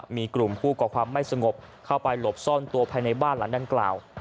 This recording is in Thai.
มีกลุ่มผู้ก่อความไม่สงบเข้าไปหลบซ่อนตัวภายในบ้านหลังดังกล่าว